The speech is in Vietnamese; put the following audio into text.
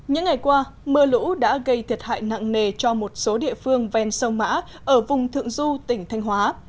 những ngày qua mưa lũ đã gây thiệt hại nặng nề cho một số địa phương ven sông mã ở vùng thượng du tỉnh thanh hóa